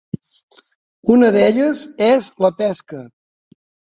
Una d'elles és la pesca.